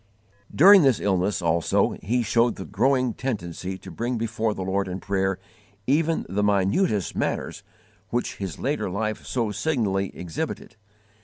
During this illness, also, he showed the growing tendency to bring before the Lord in prayer even the minutest matters which his later life so signally exhibited.